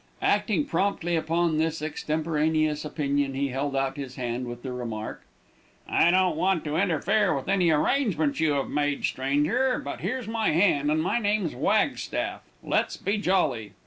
Acting promptly upon this extemporaneous opinion, he held out his hand with the remark: "I don't want to interfere with any arrangements you have made, stranger, but here's my hand, and my name's Wagstaff let's be jolly."